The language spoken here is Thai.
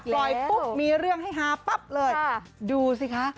ปล่อยปุ๊บมีเรื่องให้ฮาปั๊บเลยดูสิคะ